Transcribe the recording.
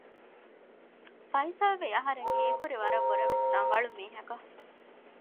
ފައިސަލްވީ އަހަރެން ހީކުރި ވަރަށް ވުރެވެސް ރަނގަޅު މީހަކަށް